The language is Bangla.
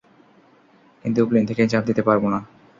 কিন্তু, প্লেন থেকে ঝাঁপ দিতে পারব না!